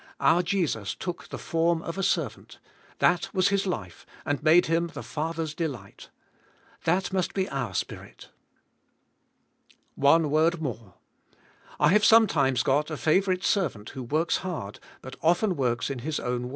Our Jesus took the form of a servant; that was His life, and made Him the Father's delight. That must be our Spirit. One word more. I have sometimes got a favorite servant who works hard, but often works in his own 206 THK SPIRITUAI.